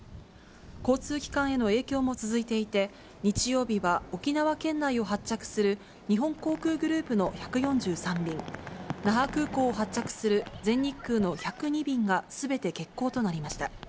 交通機関への影響も続いていて、日曜日は沖縄県内を発着する日本航空グループの１４３便、那覇空港を発着する全日空の１０２便がすべて欠航となりました。